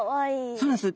そうなんです。